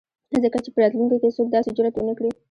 ځکه چې په راتلونکي ،کې څوک داسې جرات ونه کړي.